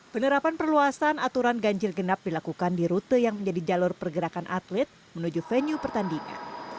penerapan perluasan aturan ganjil genap dilakukan di rute yang menjadi jalur pergerakan atlet menuju venue pertandingan